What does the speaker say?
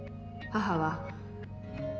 母は。